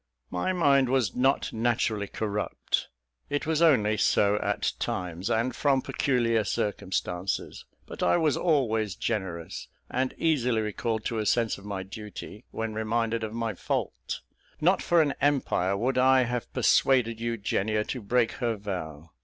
My mind was not naturally corrupt. It was only so at times, and from peculiar circumstances; but I was always generous, and easily recalled to a sense of my duty, when reminded of my fault. Not for an empire would I have persuaded Eugenia to break her vow.